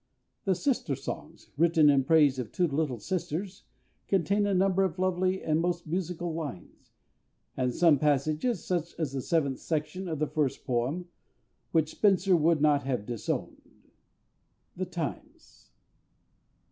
These Sister Songs, written in praise of two little sisters, contain a number of lovely and most musical lines, and some passages such as the seventh section of the first poem which SPENSER would not have disowned. _The Times.